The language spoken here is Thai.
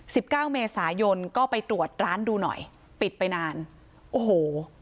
เก้าเมษายนก็ไปตรวจร้านดูหน่อยปิดไปนานโอ้โห